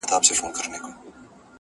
هیله ده دخوښی وړمو وګرځی!!..